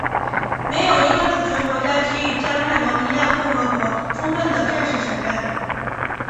没有一个主权国家给予加泰罗尼亚共和国充分的正式承认。